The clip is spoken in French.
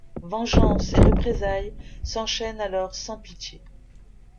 Vengeances et représailles s'enchainent alors sans pitié.